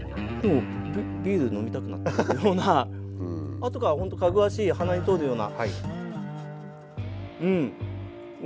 あとから本当かぐわしい鼻に通るような。